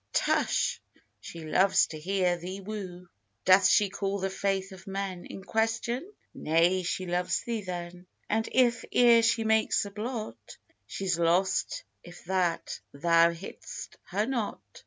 Tush! she loves to hear thee woo. Doth she call the faith of men In question? nay, she loves thee then, And if e'er she makes a blot, She's lost if that thou hit'st her not.